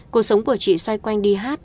cuộc sống của chị xoay quanh đi hát